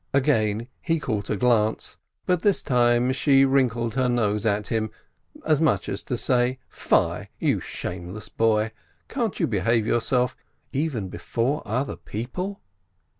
Again he caught a glance, but this time she wrinkled her nose at him, as much as to say, "Fie, you shameless boy ! Can't you behave yourself even before other peo ple?"